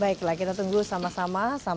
baiklah kita tunggu sama sama sampai kemana kasus ini